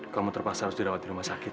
kamu terpaksa harus dirawat di rumah sakit